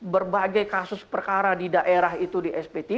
berbagai kasus perkara di daerah itu di sp tiga